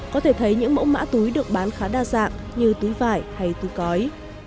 có thể thấy những mẫu mã túi được bán khá đa dạng như túi vải hay túi cói